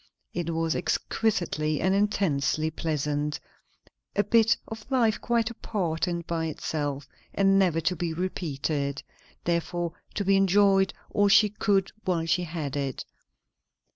It was exquisitely and intensely pleasant; a bit of life quite apart and by itself, and never to be repeated, therefore to be enjoyed all she could while she had it.